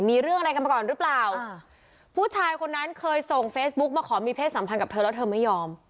มีเรื่องอะไรกันมาก่อนหรือเปล่าผู้ชายคนนั้นเคยส่งเฟซบุ๊กมาขอมีเพศสัมพันธ์กับเธอแล้วเธอไม่ยอม